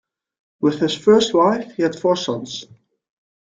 With his first wife he had four sons.